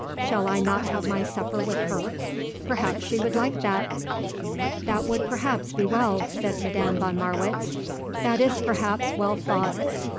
Shall I not have my supper with her? Perhaps she would like that?" "That would perhaps be well," said Madame von Marwitz. "That is perhaps well thought."